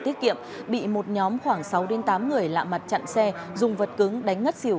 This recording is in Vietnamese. tiết kiệm bị một nhóm khoảng sáu tám người lạ mặt chặn xe dùng vật cứng đánh ngất xỉu